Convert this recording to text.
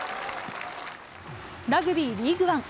ラグビーリーグワン。